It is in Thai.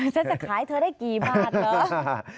ฉันจะขายเธอได้กี่บาทเหรอ